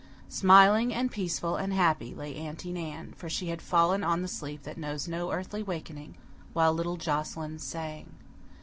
Smiling and peaceful and happy lay Aunty Nan, for she had fallen on the sleep that knows no earthy wakening, while little Joscelyn sang.